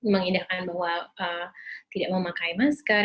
mengindahkan bahwa tidak memakai masker